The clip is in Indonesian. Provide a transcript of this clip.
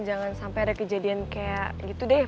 jangan sampai ada kejadian kayak gitu deh